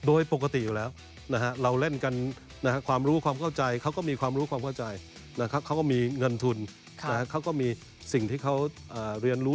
โดยปกติอยู่แล้วนะฮะเราเล่นกันความรู้ความเข้าใจเขาก็มีความรู้ความเข้าใจนะครับเขาก็มีเงินทุนเขาก็มีสิ่งที่เขาเรียนรู้